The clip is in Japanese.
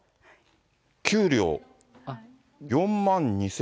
給料、４万２０００。